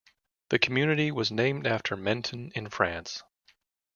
The community was named after Menton in France.